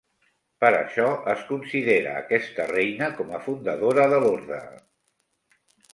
Per això, es considera aquesta reina com a fundadora de l'orde.